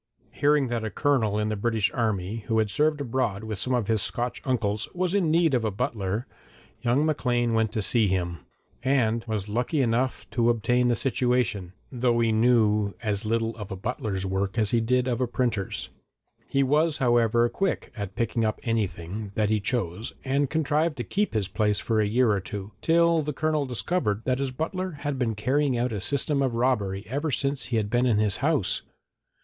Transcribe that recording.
Hearing that a Colonel in the British army who had served abroad with some of his Scotch uncles was in need of a butler, young Maclean went to see him, and was lucky enough to obtain the situation, though he knew as little of a butler's work as he did of a printer's. He was, however, quick at picking up anything that he chose and contrived to keep this place for a year or two, till the Colonel discovered that his butler had been carrying out a system of robbery ever since he had been in his house.